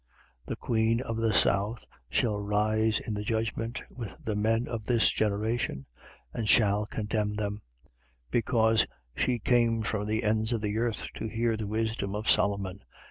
11:31. The queen of the south shall rise in the judgment with the men of this generation and shall condemn them: because she came from the ends of the earth to hear the wisdom of Solomon.